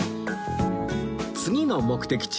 次の目的地